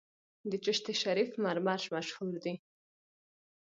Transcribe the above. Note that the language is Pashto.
د چشت شریف مرمر مشهور دي